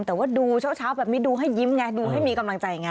แต่ว่าดูเช้าแบบนี้ดูให้ยิ้มไงดูให้มีกำลังใจไง